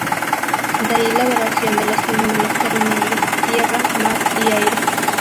De ahí la adoración de los fenómenos terrenales: tierra, mar y aire.